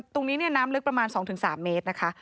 ตรงนี้น้ำลึกประมาณสองถึงสามเมตรนะคะ